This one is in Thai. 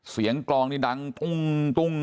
เสียงกรองนี่ดังตุ้งตุ้ง